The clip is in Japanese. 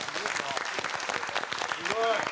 すごい！